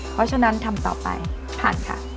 เพราะฉะนั้นทำต่อไปผ่านค่ะ